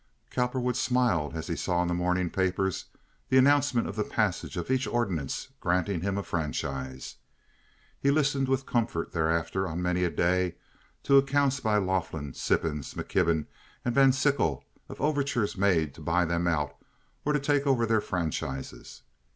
Cowperwood smiled as he saw in the morning papers the announcement of the passage of each ordinance granting him a franchise. He listened with comfort thereafter on many a day to accounts by Laughlin, Sippens, McKibben, and Van Sickle of overtures made to buy them out, or to take over their franchises.